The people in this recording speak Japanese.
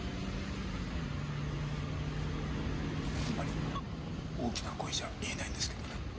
あんまり大きな声じゃ言えないんですけどね